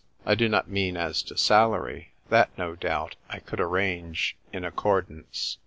I do not mean as to salary — that, no doubt, I could arrange ... in accordance